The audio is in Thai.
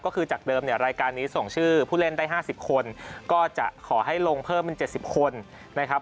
ก็คือจากเดิมเนี่ยรายการนี้ส่งชื่อผู้เล่นได้๕๐คนก็จะขอให้ลงเพิ่มเป็น๗๐คนนะครับ